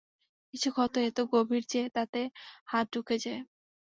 কিছু ক্ষত এতো গভীর যে তাতে হাত ঢুকে যায়।